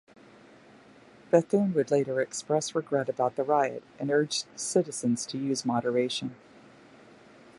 Bethune would later express regret about the riot and urged citizens to use moderation.